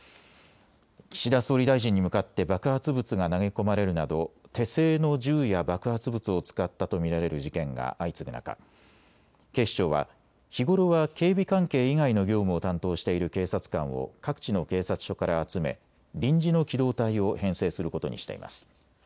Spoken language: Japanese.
岸田総理大臣に向かって爆発物が投げ込まれるなど手製の銃や爆発物を使ったと見られる事件が相次ぐ中、警視庁は日頃は警備関係以外の業務を担当している警察官を各地の警察署から集め臨時の機動隊を編制することにしています。